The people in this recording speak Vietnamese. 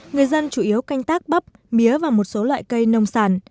người dân chủ yếu canh tác bắp mía và một số loại cây nông sản